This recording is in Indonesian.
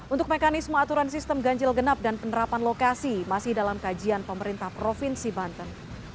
untuk mekanisme aturan sistem ganjil genap dan penerapan lokasi masih dalam kajian pemerintah provinsi banten